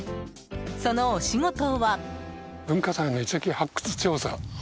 そのお仕事は。